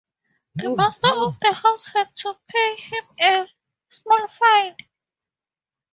The master of the house had to pay him a small fine.